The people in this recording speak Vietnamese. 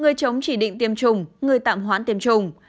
người chống chỉ định tiêm chủng người tạm hoãn tiêm chủng